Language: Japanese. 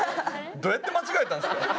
どうやって間違えたんですか。